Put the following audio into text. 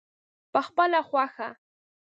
پخپله خوښه.